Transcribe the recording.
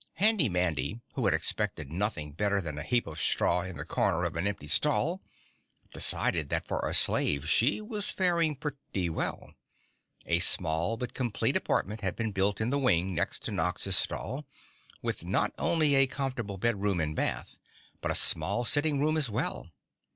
Handy Mandy, who had expected nothing better than a heap of straw in the corner of an empty stall, decided that for a slave, she was faring pretty well. A small but complete apartment had been built in the wing next to Nox's stall, with not only a comfortable bedroom and bath, but a small sitting room as well.